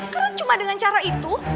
karena cuma dengan cara itu